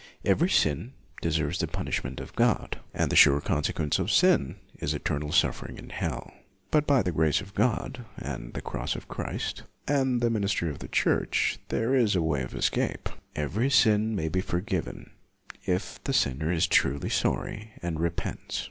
Every sin deserves the punish ment of God. The sure consequence of 3 4 LUTHER sin is eternal suffering in hell. But by the grace of God, and the cross of Christ, and the ministry of the Church, there is a way of escape. Every sin may be for given, if the sinner is truly sorry and repents.